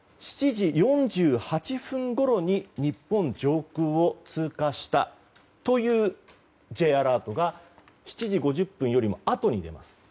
７時４８分ごろに日本上空を通過したというＪアラートが７時５０分よりもあとに出ます。